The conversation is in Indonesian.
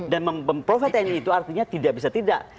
dan mem provide tni itu artinya tidak bisa tidak